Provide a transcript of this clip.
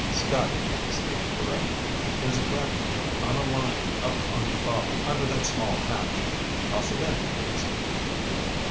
"Scotty," Steve directed, "there's a grapnel on a line up on the bow, under that small hatch. Toss it in, please."